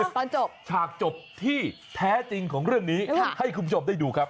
ตอนจบฉากจบที่แท้จริงของเรื่องนี้ให้คุณผู้ชมได้ดูครับ